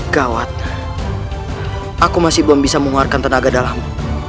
gawat aku masih belum bisa mengeluarkan tenaga dalam